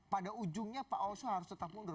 pada ujungnya pak oso harus tetap mundur